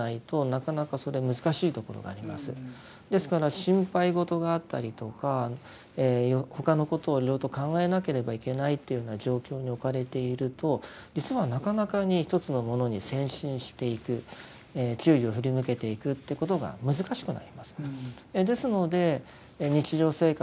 ですから心配事があったりとか他のことをいろいろと考えなければいけないというような状況に置かれていると実はなかなかに一つのものに専心していく注意を振り向けていくってことが難しくなります。